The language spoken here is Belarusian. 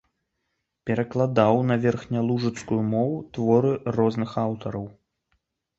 Перакладаў на верхнялужыцкую мову творы розных аўтараў.